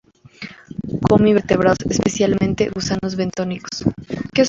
Come invertebrados, especialmente gusanos bentónicos.